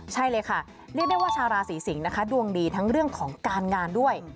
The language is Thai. ใช่เลยค่ะเรียกได้ว่าชาวราศีสิงศ์นะคะดวงดีทั้งเรื่องของการงานด้วย